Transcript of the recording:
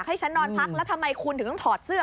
ให้ฉันนอนพักแล้วทำไมคุณถึงต้องถอดเสื้อ